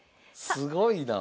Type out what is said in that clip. すごいな。